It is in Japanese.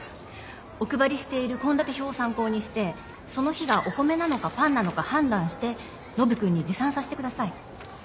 お配りしている献立表を参考にしてその日がお米なのかパンなのか判断してノブ君に持参させてください。